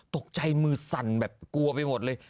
ตกใจมือสั่นแบบกลัวไปหมดเลย